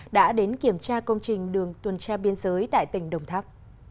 đã đến kiểm tra công trình đường tuần tra biên giới tại tỉnh đồng tháp